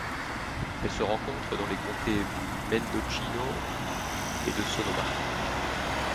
Elle se rencontre dans les comtés Mendocino et de Sonoma.